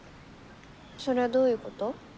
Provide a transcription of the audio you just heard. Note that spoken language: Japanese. それはどういうこと？